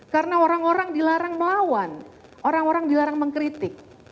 karena orang orang dilarang melawan orang orang dilarang mengkritik